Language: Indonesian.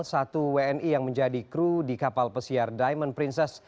satu wni yang menjadi kru di kapal pesiar diamond princess